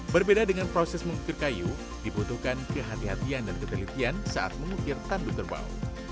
berbeda dengan proses mengukir kayu dibutuhkan kehatian dan ketelitian saat mengukir tanduk kerbau